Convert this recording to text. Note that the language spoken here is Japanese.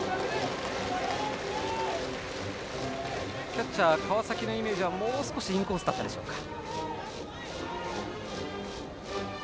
キャッチャー、川崎のイメージはもう少しインコースだったでしょうか。